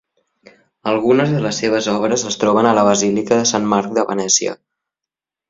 Algunes de les seves obres es troben a la Basílica de Sant Marc de Venècia.